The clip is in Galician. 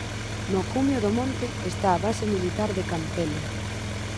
No cumio do monte está a Base Militar de Campelo.